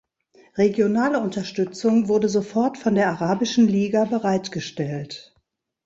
Regionale Unterstützung wurde sofort von der Arabischen Liga bereitgestellt.